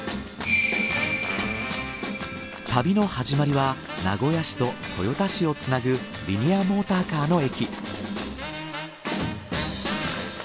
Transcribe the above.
旅の始まりは名古屋市と豊田市をつなぐリニアモーターカーの駅。